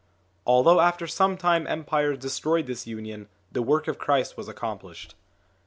Although after some time empires destroyed this union, the work of Christ was accom plished.